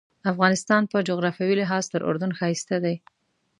افغانستان په جغرافیوي لحاظ تر اردن ښایسته دی.